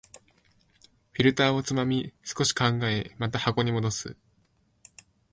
フィルターをつまみ、少し考え、また箱に戻す